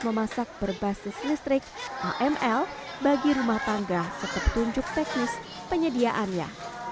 memasak berbasis listrik aml bagi rumah tangga ke petunjuk teknis penyediaannya